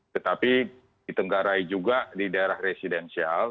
tetapi di tenggarai juga di daerah residensial